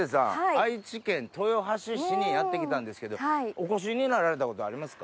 愛知県豊橋市にやって来たんですけどお越しになられたことありますか？